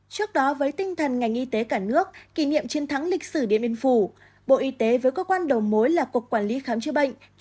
trước đó với tinh thần ngành y tế cả nước kỷ niệm chiến thắng lịch sử điện biên phủ bộ y tế với cơ quan đầu mối là cục quản lý khám chữa bệnh